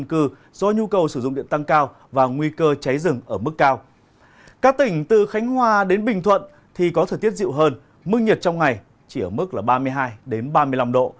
các tỉnh từ khánh hòa đến bình thuận thì có thời tiết dịu hơn mức nhiệt trong ngày chỉ ở mức là ba mươi hai ba mươi năm độ